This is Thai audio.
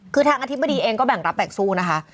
คือทางอธิบดีเองก็แบ่งรับแบ่งสู้นะคะ